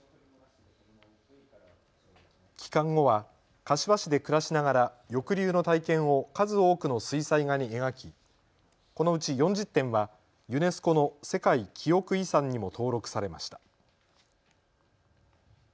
帰還後は柏市で暮らしながら抑留の体験を数多くの水彩画に描き、このうち４０点はユネスコの世界記憶遺産にも登録されました。